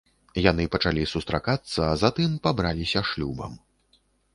Яны пачалі сустракацца, а затым пабраліся шлюбам.